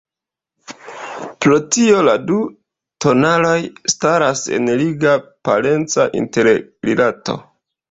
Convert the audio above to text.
Pro tio la du tonaloj staras en liga parenca interrilato.